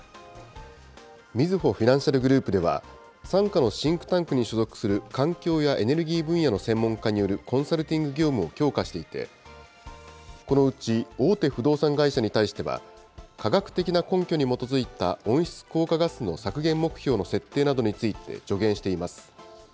みずほフィナンシャルグループでは、傘下のシンクタンクに所属する環境やエネルギー分野の専門家によるコンサルティング業務を強化していて、このうち大手不動産会社に対しては、科学的な根拠に基づいた温室効果ガスの削減目標の設定などについて助言しています。